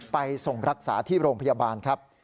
ไปส่งรักษาที่โรงพยาบาลครับ